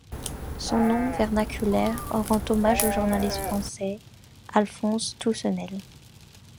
Son nom vernaculaire rend hommage au journaliste français Alphonse Toussenel.